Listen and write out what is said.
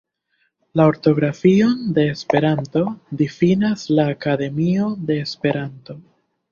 La ortografion de Esperanto difinas la Akademio de Esperanto.